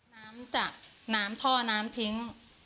น้ำจากน้ำท่อน้ำทิ้ง